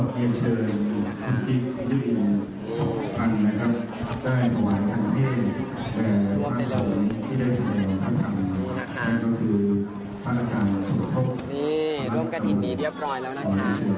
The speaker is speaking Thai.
แต่ภาษูที่ได้เสริมอัตภัณฑ์นะคะเป็นก็คือภาชาสุทธิ์นี่ร่วมกับทิศนี้เรียบร้อยแล้วนะคะ